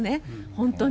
本当に。